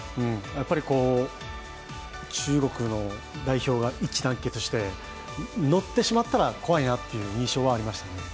やっぱり中国の代表が一致団結してのってしまったら怖いなという印象はありましたね。